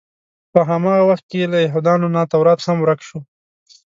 په هماغه وخت کې له یهودانو نه تورات هم ورک شو.